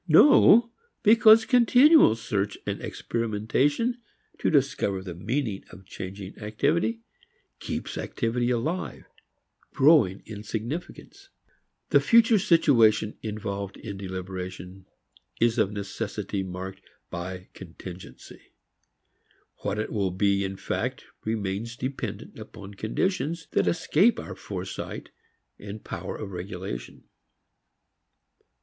No, because continual search and experimentation to discover the meaning of changing activity, keeps activity alive, growing in significance. The future situation involved in deliberation is of necessity marked by contingency. What it will be in fact remains dependent upon conditions that escape our foresight and power of regulation.